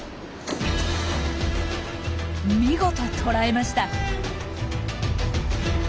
見事捕らえました。